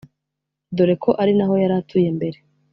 dore ko ari naho yari atuye mbere